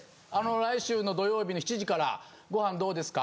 来週の土曜日の７時からご飯どうですか？